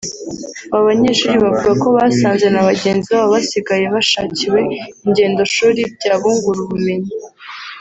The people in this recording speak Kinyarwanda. Aba banyeshuri bavuga ko basanze na bagenzi babo basigaye bashakiwe ingendoshuri byabungura ubumenyi